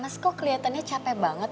mas kok kelihatannya capek banget